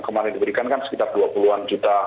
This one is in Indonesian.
kemarin diberikan kan sekitar dua puluh an juta